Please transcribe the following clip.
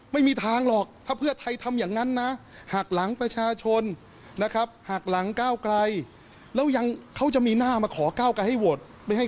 ไม่มีทางหรอกถ้าเพื่อไทยทำอย่างนั้นนะหักหลังประชาชนนะครับหักหลังก้าวไกลแล้วยังเขาจะมีหน้ามาขอก้าวไกลให้โหวตไม่ให้